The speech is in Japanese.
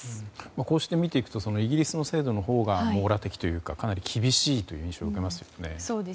こうして見ていくとイギリスの制度のほうが網羅的というか、かなり厳しい印象を受けますよね。